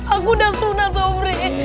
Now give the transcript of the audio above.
aku udah sunat sobri